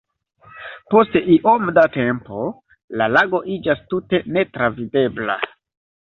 Post iom da tempo, la lago iĝas tute netravidebla.